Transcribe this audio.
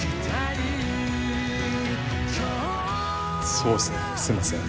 そうっすねすみません。